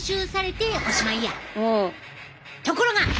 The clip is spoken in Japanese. ところが！